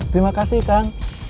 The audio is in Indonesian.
terima kasih kang